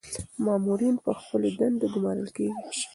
مامورین په خپلو دندو ګمارل کیږي.